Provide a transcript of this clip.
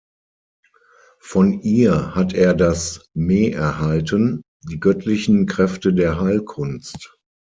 Von ihr hat er das Me erhalten, die „göttlichen Kräfte der Heilkunst“.